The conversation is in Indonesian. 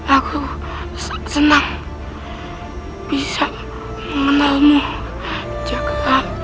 aku senang bisa mengenalmu jaka